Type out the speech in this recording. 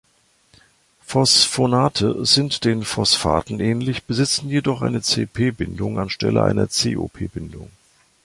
Phosphonate sind den Phosphaten ähnlich, besitzen jedoch eine C-P-Bindung anstelle einer C-O-P-Bindung.